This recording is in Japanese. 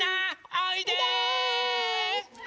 おいで！